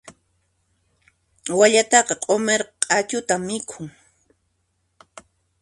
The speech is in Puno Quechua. Wallataqa q'umir q'achuta mikhun.